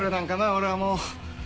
俺はもう。